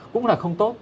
cũng là không tốt